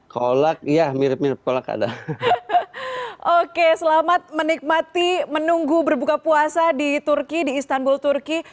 kolak ya mirip mirip ada oke selamat menikmati menunggu berbuka puasa di turki di istanbul turki